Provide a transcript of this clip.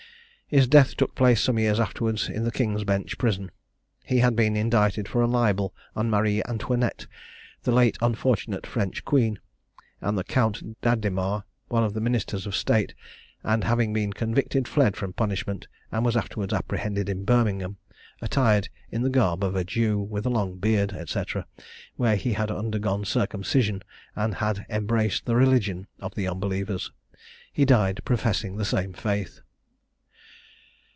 His death took place some years afterwards in the King's Bench Prison. He had been indicted for a libel on Marie Antoinette, the late unfortunate French queen, and the Count d'Ademar, one of the ministers of state, and having been convicted, fled from punishment; and was afterwards apprehended in Birmingham, attired in the garb of a Jew, with a long beard, &c., where he had undergone circumcision, and had embraced the religion of the unbelievers. He died professing the same faith.